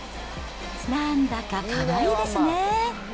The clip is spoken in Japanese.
なんだかかわいいですね。